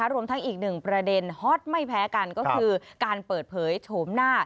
รวมทั้งอีกหนึ่งประเด็นฮอตไม่แพ้กันก็คือการเปิดเผยโฉมหน้า